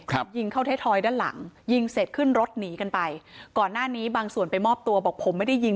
ยิงเข้าไทยทอยด้านหลังยิงเสร็จขึ้นรถหนีกันไปก่อนหน้านี้บางส่วนไปมอบตัวบอกผมไม่ได้ยิง